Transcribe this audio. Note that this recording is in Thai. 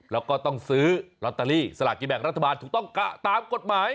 แล้วก็ต้องซื้อลอตเตอรี่สลากกินแบ่งรัฐบาลถูกต้องตามกฎหมาย